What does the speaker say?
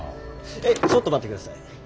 えちょっと待ってください。